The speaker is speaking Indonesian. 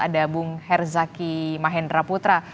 ada bung herzaki mahendra putra